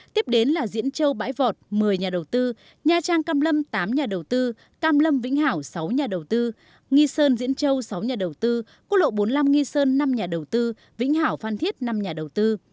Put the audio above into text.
tiếp đến là diễn châu bãi vọt một mươi nhà đầu tư nha trang cam lâm tám nhà đầu tư cam lâm vĩnh hảo sáu nhà đầu tư nghi sơn diễn châu sáu nhà đầu tư quốc lộ bốn mươi năm nghi sơn năm nhà đầu tư vĩnh hảo phan thiết năm nhà đầu tư